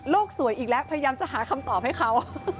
สวยอีกแล้วพยายามจะหาคำตอบให้เขา